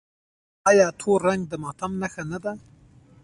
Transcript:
آیا تور رنګ د ماتم نښه نه ده؟